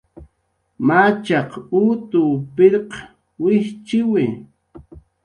Machaq utw pirq wijchiwi